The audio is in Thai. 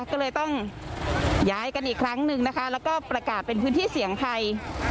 ก็เลยต้องย้ายกันอีกครั้งหนึ่งนะคะแล้วก็ประกาศเป็นพื้นที่เสี่ยงภัย